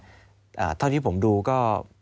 กระทั่งที่ผมดูก็